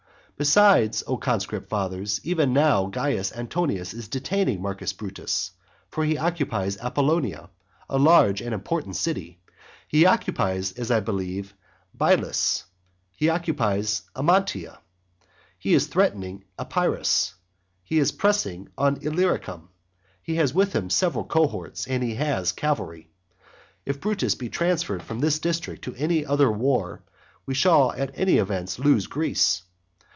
Besides, O conscript fathers, even now Caius Antonius is detaining Marcus Brutus, for he occupies Apollonia, a large and important city, he occupies, as I believe, Byllis, he occupies Amantia, he is threatening Epirus, he is pressing on Illyricum, he has with him several cohorts, and he has cavalry. If Brutus be transferred from this district to any other war, we shall at all events lose Greece.